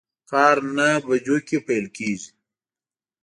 کار نهه بجو کی پیل کیږي